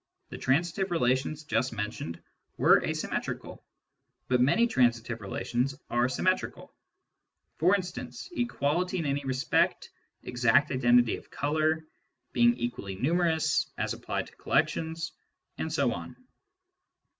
The transitive relations just mentioned were asymmetrical, but many transitive relations are symmetrical — ^for instance, equality in any respect, exact identity of colour, being equally numerous (as applied to collections), and so on.